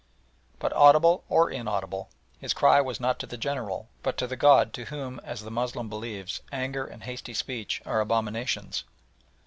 But, audible or inaudible, his cry was not to the General, but to the God to whom, as the Moslem believes, anger and hasty speech are abominations.